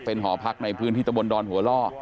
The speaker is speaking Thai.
หอพักในพื้นที่ตะบนดอนหัวล่อ